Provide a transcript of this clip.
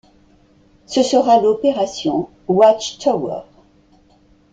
Ce sera l'opération Watchtower.